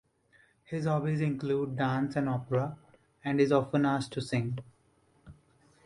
His hobbies include dance and opera, and is often asked to sing.